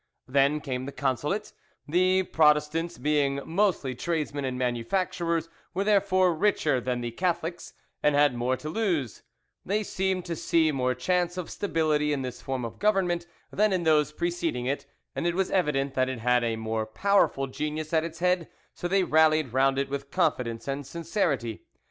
Then came the Consulate: the Protestants being mostly tradesmen and manufacturers, were therefore richer than the Catholics, and had more to lose; they seemed to see more chance of stability in this form of government than in those preceding it, and it was evident that it had a more powerful genius at its head, so they rallied round it with confidence and sincerity.